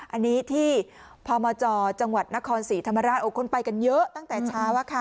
อันนี้ที่พมจจังหวัดนครศรีธรรมราชคนไปกันเยอะตั้งแต่เช้า